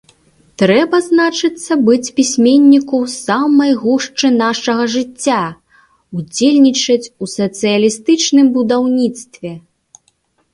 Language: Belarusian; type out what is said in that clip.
Трэба, значыцца, быць пісьменніку ў самай гушчы нашага жыцця, удзельнічаць у сацыялістычным будаўніцтве.